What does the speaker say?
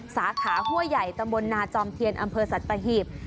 สาขาหัวใหญ่ตะบลนาจอมเทียนอำเภอสัตว์ตะหิบ